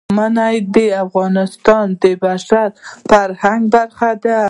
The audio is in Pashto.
منی د افغانستان د بشري فرهنګ برخه ده.